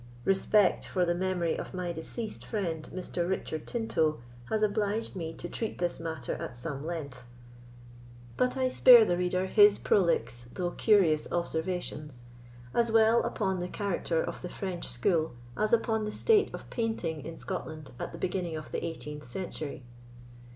Respect for the memory of my deceased friend, Mr. Richard Tinto, has obliged me to treat this matter at some length; but I spare the reader his prolix though curious observations, as well upon the character of the French school as upon the state of painting in Scotland at the beginning of the 18th century.